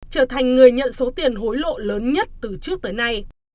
trở thành người nhận số tiền hối lộ lớn nhất từ trước tới nay